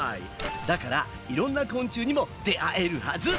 だからいろんな昆虫にも出会えるはず。